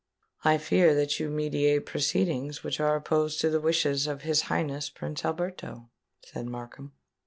"I fear that you meditate proceedings which are opposed to the wishes of his Highness Prince Alberto," said Markham.